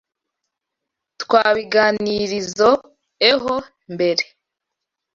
Twabiganirizoeho mbere.